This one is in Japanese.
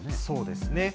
そうですね。